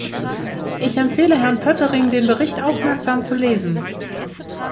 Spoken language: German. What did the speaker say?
Ich empfehle Herrn Poettering, den Bericht aufmerksam zu lesen.